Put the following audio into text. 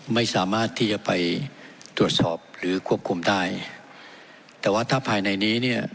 ไม่สามารถที่จะไปตรวจสอบหรือควบคุมได้แต่ว่าถ้าภายในนี้เนี่ย